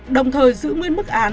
đồng thời giữ nguyên mức án